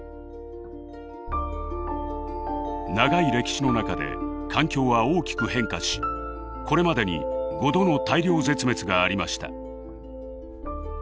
長い歴史の中で環境は大きく変化しこれまでに５度の大量絶滅がありました。